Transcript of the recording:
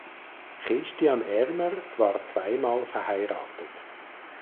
Christian Ermer war zweimal verheiratet.